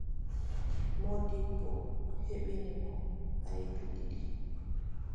Moodibbo heɓini mo aybe ɗiɗi.